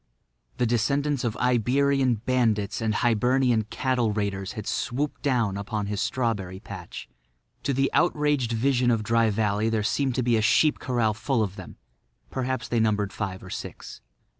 The descendants of Iberian bandits and Hibernian cattle raiders had swooped down upon his strawberry patch. To the outraged vision of Dry Valley there seemed to be a sheep corral full of them; perhaps they numbered five or six.